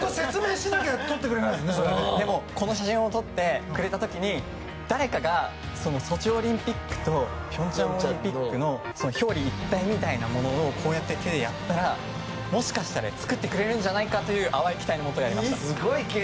でもこの写真を撮ってくれた時に誰かがソチオリンピックと平昌オリンピックの表裏一体みたいなものをこうやって手でやったらもしかしたら作ってくれるんじゃないかという淡い期待のもと、やりました。